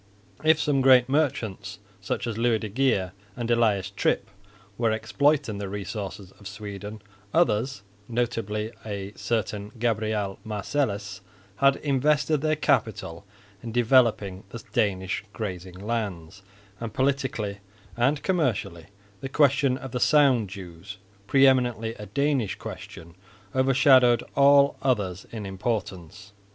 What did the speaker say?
If some great merchants such as Louis de Geer and Elias Trip were exploiting the resources of Sweden, others, notably a certain Gabriel Marcelis, had invested their capital in developing the Danish grazing lands; and politically and commercially the question of the Sound dues, pre eminently a Danish question, overshadowed all others in importance.